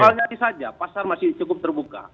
soalnya ini saja pasar masih cukup terbuka